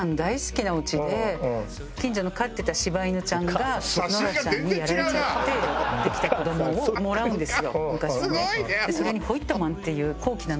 近所の飼ってた柴犬ちゃんが野良ちゃんにやられちゃってできた子どもをもらうんですよ昔はね。